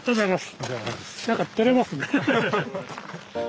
何かてれますね。